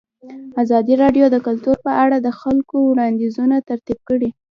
ازادي راډیو د کلتور په اړه د خلکو وړاندیزونه ترتیب کړي.